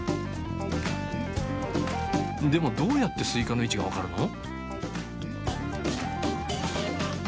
でもどうやってスイカの位置が分かるの？